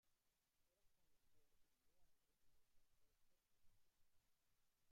Era fundador y miembro del cuarteto ‘A Capricho’.